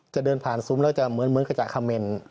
จะเดินผ่านซุ้มแล้วจะเหมือนกระจายคำเมนต์